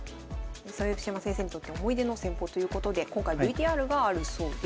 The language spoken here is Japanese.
豊島先生にとって思い出の戦法ということで今回ＶＴＲがあるそうです。